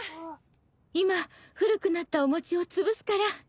今古くなったお餅をつぶすから。